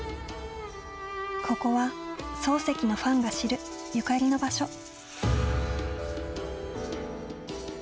ここは、漱石のファンが知るゆかりの場所。